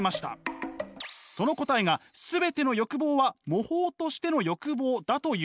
その答えが全ての欲望は模倣としての欲望だということ。